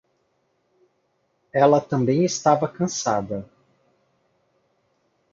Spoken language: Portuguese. Ela também estava cansada.